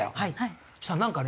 そしたらなんかね